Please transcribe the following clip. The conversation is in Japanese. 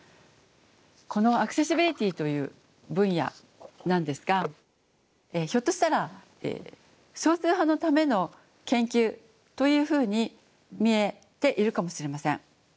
このアクセシビリティーという分野なんですがひょっとしたら少数派のための研究というふうに見えているかもしれません。